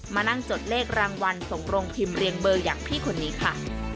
มานั่งจดเลขรางวัลส่งโรงพิมพ์เรียงเบอร์อย่างพี่คนนี้ค่ะ